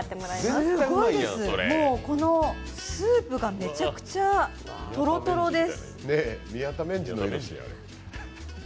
すごいです、スープがめちゃくちゃトロトロです。